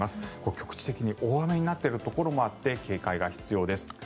局地的に大雨になっているところもあって警戒が必要です。